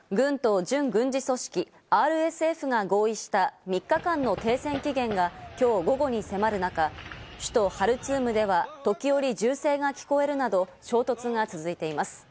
軍と準軍事組織ＲＳＦが合意した３日間の停戦期限が今日午後に迫る中、首都・ハルツームでは時おり銃声が聞こえるなど衝突が続いています。